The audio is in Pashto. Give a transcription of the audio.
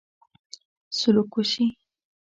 سلوک وشي.